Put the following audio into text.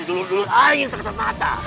dulu dulu air yang terasa mata